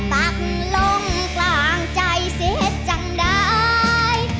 ตักลงกลางใจเสียจังได้